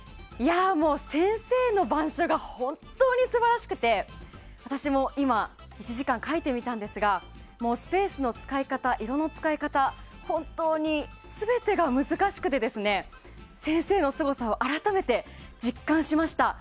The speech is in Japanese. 先生の板書が本当に素晴らしくて、私も今１時間書いてみたんですがスペースの使い方色の使い方、全てが難しくて先生のすごさを改めて実感しました。